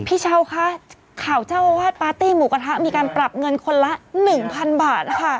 พี่เช้าคะข่าวเจ้าอาวาสปาร์ตี้หมูกระทะมีการปรับเงินคนละ๑๐๐๐บาทค่ะ